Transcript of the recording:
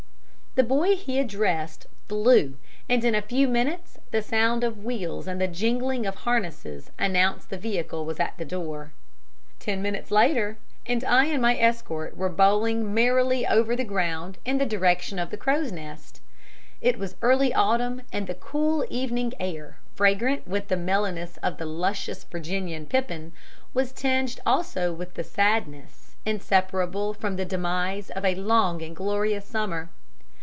The boy he addressed flew, and in a few minutes the sound of wheels and the jingling of harness announced the vehicle was at the door. Ten minutes later and I and my escort were bowling merrily over the ground in the direction of the Crow's Nest. It was early autumn, and the cool evening air, fragrant with the mellowness of the luscious Virginian pippin, was tinged also with the sadness inseparable from the demise of a long and glorious summer.